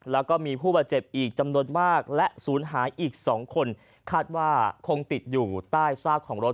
แล้วก็มีผู้บาดเจ็บอีกจำนวนมากและศูนย์หายอีก๒คนคาดว่าคงติดอยู่ใต้ซากของรถ